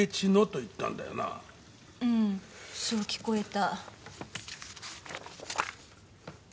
うんそう聞こえた。